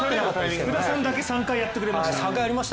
福田さんだけ３回やってくれました。